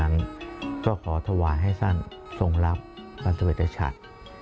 ดังนั้นก็ขอทวายให้สร้างทรงรับพันธุเวทชัตริย์